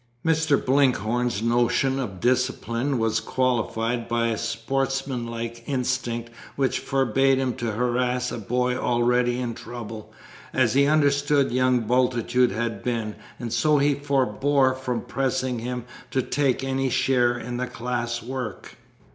Mr. Blinkhorn's notions of discipline were qualified by a sportsmanlike instinct which forbade him to harass a boy already in trouble, as he understood young Bultitude had been, and so he forbore from pressing him to take any share in the class work.